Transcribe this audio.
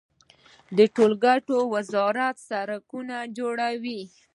د ټولګټو وزارت سړکونه جوړوي